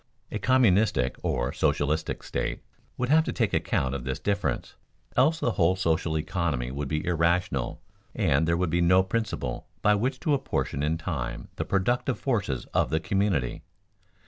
A communistic or socialistic state would have to take account of this difference, else the whole social economy would be irrational and there would be no principle by which to apportion in time the productive forces of the community.